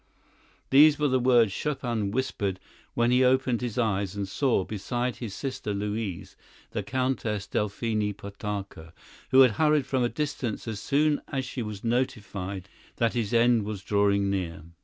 These were the words Chopin whispered when he opened his eyes and saw, beside his sister Louise, the Countess Delphine Potocka, who had hurried from a distance as soon as she was notified that his end was drawing near.